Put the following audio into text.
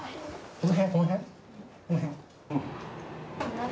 この辺？